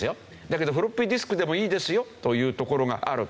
だけどフロッピーディスクでもいいですよというところがある。